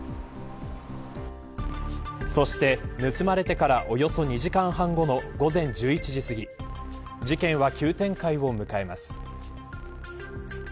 そして、盗まれてからおよそ２時間半後の午前１１時すぎ事件は急展開を迎えます。